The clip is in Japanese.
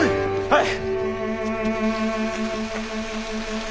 はい！